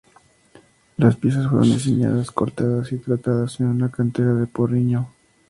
Las piezas fueron diseñadas, cortadas y tratadas en una cantera de Porriño.